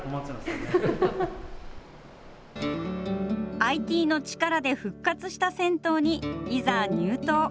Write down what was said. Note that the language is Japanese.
ＩＴの力で復活した銭湯に、いざ、入湯。